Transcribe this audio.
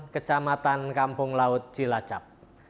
kecamatan kampung laut cilacap